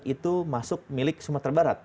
itu masuk milik sumatera barat